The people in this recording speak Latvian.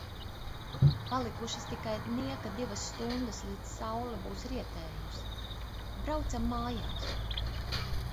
Palikušas tikai nieka divas stundas līdz saule būs rietējusi. Braucam mājās.